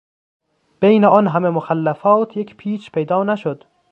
بین آن همه مخلفات، یک پیچ پیدا نشد